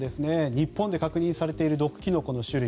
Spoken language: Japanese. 日本で確認されている毒キノコの種類